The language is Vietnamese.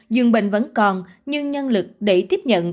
dường bệnh vẫn còn nhưng nhân lực để tiếp nhận